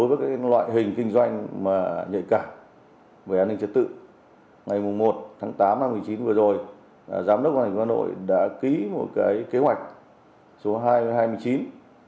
và năm viên đạn